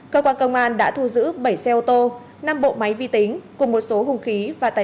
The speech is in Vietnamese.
cơ quan công an đã thu giữ bảy xe ô tô năm bộ máy vi tính cùng một số hùng khí và tài